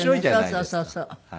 そうそうそうそう。